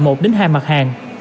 một đến hai mặt hàng